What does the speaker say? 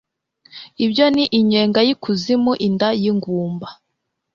ibyo ni inyenga y'ikuzimu, inda y'ingumba